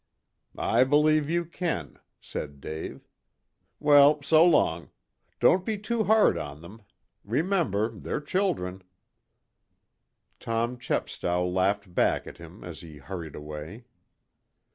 "I believe you can," said Dave. "Well, so long. Don't be too hard on them. Remember they're children." Tom Chepstow laughed back at him as he hurried away.